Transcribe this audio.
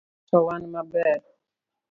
To wan maber